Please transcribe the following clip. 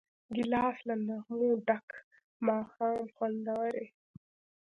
ګیلاس له نغمو ډک ماښام خوندوروي.